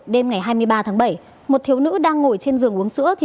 đêm ngày hai mươi ba tháng bảy một thiếu nữ đang ngồi trên giường uống sữa